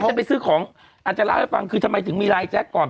จะไปซื้อของอาจจะเล่าให้ฟังคือทำไมถึงมีไลน์แจ๊คก่อน